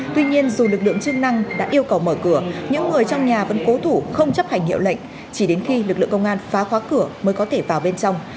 tuy nhiên dù lực lượng chức năng đã yêu cầu mở cửa những người trong nhà vẫn cố thủ không chấp hành hiệu lệnh chỉ đến khi lực lượng công an phá khóa cửa mới có thể vào bên trong